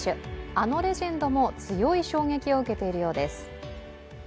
あのレジェンドも強い衝撃を受けているようです。